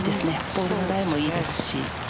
ボールのライもいいです。